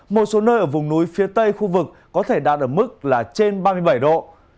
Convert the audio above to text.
một số nơi ở vùng núi phía tây khu vực có thể đạt ở mức là trên ba mươi bảy độ